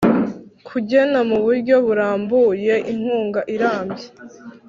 Kugena mu buryo burambuye inkunga irambye